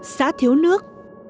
xã thiếu nước